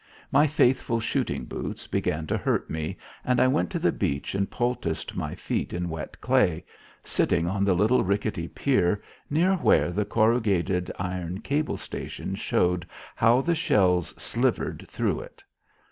My faithful shooting boots began to hurt me, and I went to the beach and poulticed my feet in wet clay, sitting on the little rickety pier near where the corrugated iron cable station showed how the shells slivered through it.